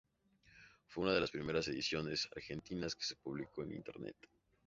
Fue una de las primeras ediciones argentinas que se publicó en internet.